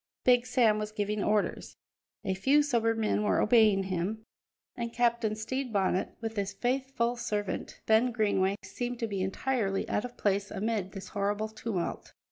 Big Sam was giving orders; a few sober men were obeying him, and Captain Stede Bonnet, with his faithful servant, Ben Greenway, seemed to be entirely out of place amid this horrible tumult.